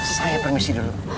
saya permisi dulu